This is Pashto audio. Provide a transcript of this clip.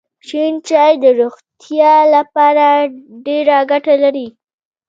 شین چای د روغتیا لپاره ډېره ګټه لري.